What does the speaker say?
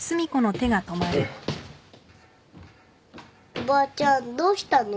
おばあちゃんどうしたの？